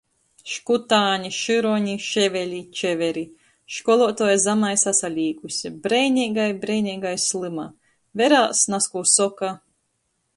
Škutāni, Šyroni, Ševeli, Čeveri. Školuotuoja zamai sasalīkuse – breineigai, breineigai slyma. Verās, nazkū soka.